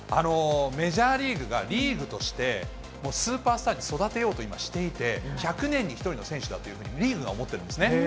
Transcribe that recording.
メジャーリーグがリーグとしてもうスーパースターに育てようと今していて、１００年に１人の選手だというふうにリーグが思ってるんですね。